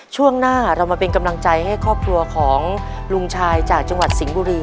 ช่วงหน้าเรามาเป็นกำลังใจให้ครอบครัวของลุงชายจากจังหวัดสิงห์บุรี